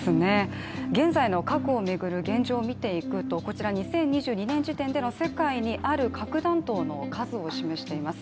現在の核を巡る現状を見ていくと２０２２年時点での世界にある核弾頭の数を示しています。